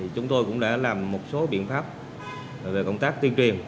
chúng tôi cũng đã làm một số biện pháp về công tác tuyên truyền